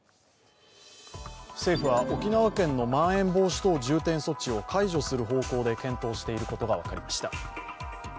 政府は沖縄県のまん延防止等重点措置を解除する方向で検討していることが分かりました。